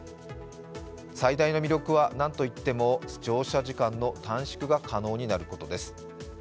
最大の魅力はなんといっても乗車時間の短縮が可能になることです。